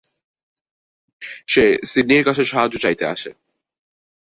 সে সিডনির কাছে সাহায্য চাইতে আসে।